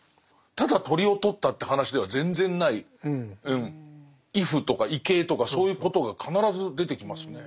ただ鳥を捕ったって話では全然ない畏怖とか畏敬とかそういうことが必ず出てきますね。